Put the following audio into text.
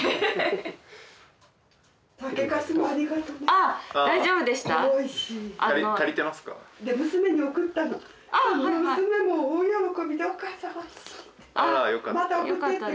あっ大丈夫でした？